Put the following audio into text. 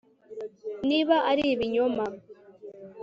niba ari ibinyoma